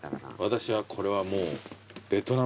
私はこれはもう。